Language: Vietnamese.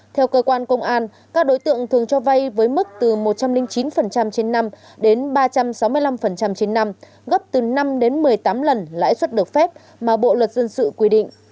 theo cơ quan công an các đối tượng thường cho vay với mức từ một trăm linh chín trên năm đến ba trăm sáu mươi năm trên năm gấp từ năm đến một mươi tám lần lãi suất được phép mà bộ luật dân sự quy định